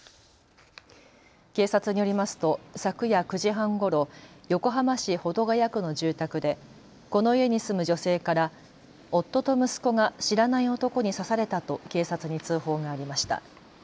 警察によりますと昨夜９時半ごろ横浜市保土ケ谷区の住宅でこの家に住む女性から夫と息子が知らない男に刺されたと警察に通報がありました。